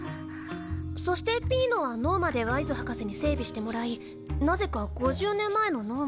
そしてピーノはノーマでワイズ博士に整備してもらいなぜか５０年前のノーマに。